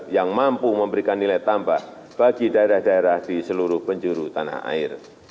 yang mampu memberikan nilai tambah bagi daerah daerah di seluruh penjuru tanah air